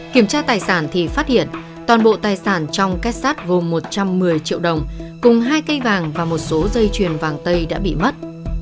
kiểm tra tài sản thì phát hiện toàn bộ tài sản trong kết sát gồm một trăm một mươi triệu đồng cùng hai cây vàng và một số dây chuyền vàng tây đã bị mất